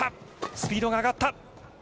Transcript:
スピードが上がった。